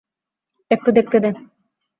একটু দেখতে দে।